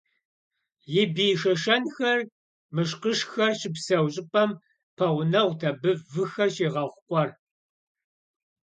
И бий шэшэнхэр, мышкъышхэр щыпсэу щӏыпӏэм пэгъунэгъут абы выхэр щигъэхъу къуэр.